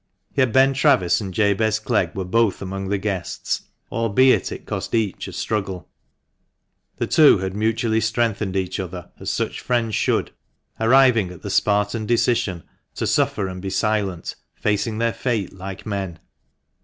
Yet Ben Travis and Jabez Clegg were both among the guests, albeit it cost each a struggle. The two had mutually strengthened each other as such friends should, arriving at the THE MANCHESTER MAN, 387 Spartan decision to "suffer and be silent, facing their fate like men."